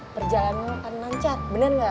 perjalanan lo kan nancat bener gak